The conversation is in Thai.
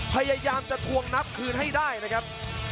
พยายามจะทวงนับคืนให้ได้นะครับ